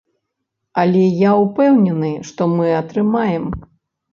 Але я ўпэўнены, што мы атрымаем.